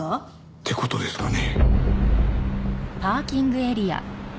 って事ですかね。